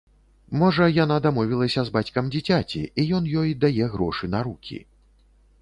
Можа, яна дамовілася з бацькам дзіцяці, і ён ёй дае грошы на рукі.